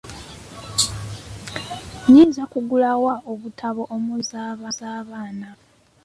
Nnyinza kugula wa obutabo omuli engero z'abaana?